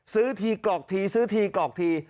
ซื้อทีกรอกที